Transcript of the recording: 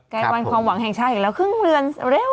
ใกล้วันความหวังแห่งชาติอีกแล้วครึ่งเรือนเร็ว